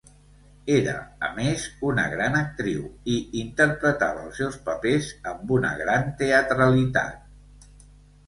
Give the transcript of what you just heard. Era, a més, una gran actriu i interpretava els seus papers amb una gran teatralitat.